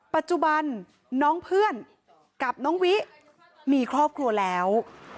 ปัจจุบันน้องเพื่อนกับน้องวิมีครอบครัวแล้ว